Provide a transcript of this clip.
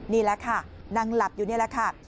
นี่แหละค่ะนั่งหลับอยู่นี่แหละค่ะ